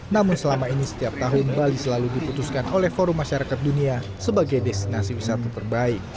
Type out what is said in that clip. namun selama ini setiap tahun bali selalu diputuskan oleh forum masyarakat dunia sebagai destinasi wisata terbaik